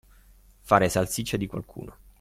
Fare salsiccia di qualcuno.